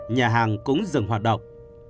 nhà hàng cũng dừng hoạt động